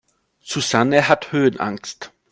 Susanne hat Höhenangst.